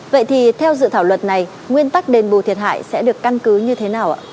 vậy thì theo dự thảo luật này nguyên tắc đền bù thiệt hại sẽ được căn cứ như thế nào ạ